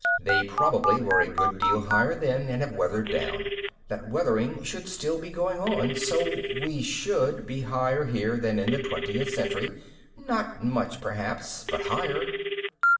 They probably were a good deal higher then and have weathered down. That weathering still should be going on. So we should be higher here than in the twentieth century not much, perhaps, but higher."